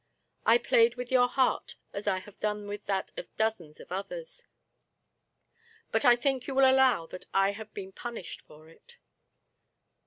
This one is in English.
I played with your heart as I have done with that of dozens of others ; but I think you will allow that I have been punished for it!"